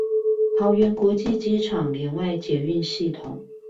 桃園國際機場聯外捷運系統